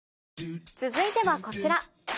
続いてはこちら。